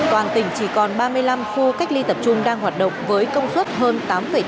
toàn tỉnh chỉ còn ba mươi năm khu cách ly tập trung đang hoạt động với công suất hơn tám bốn nghìn dưỡng bệnh